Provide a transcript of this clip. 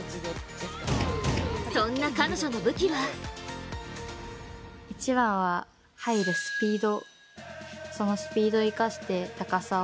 そんな彼女の武器は一番は入るスピード。